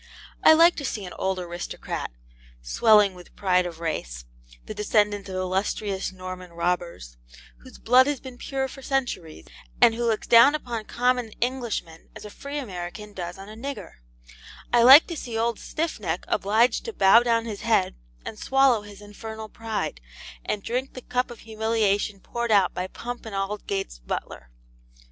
I like to see an old aristocrat, swelling with pride of race, the descendant of illustrious Norman robbers, whose blood has been pure for centuries, and who looks down upon common Englishmen as a free American does on a nigger, I like to see old Stiffneck obliged to bow down his head and swallow his infernal pride, and drink the cup of humiliation poured out by Pump and Aldgate's butler.